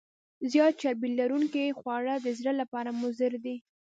زیات چربي لرونکي خواړه د زړه لپاره مضر دي.